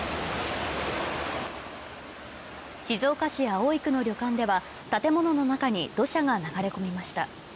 静岡市葵区の旅館では建物の中に土砂が流れ込みました。